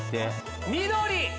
緑！